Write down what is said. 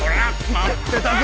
待ってたぞ！